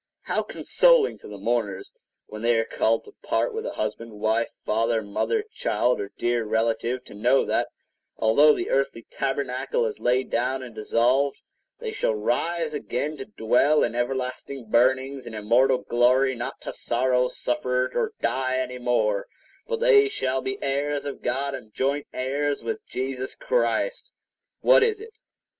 How consoling to the mourners when they are called to part with a husband, wife, father, mother, child, or dear relative, to know that, although the earthly tabernacle is laid down and dissolved, they shall rise again to dwell in everlasting burnings in immortal glory, not to sorrow, suffer, or die any more; but they shall be heirs of God and joint heirs with Jesus Christ. What is it?